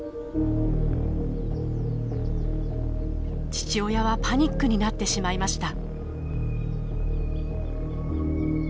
父親はパニックになってしまいました。